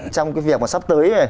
trong cái việc mà sắp tới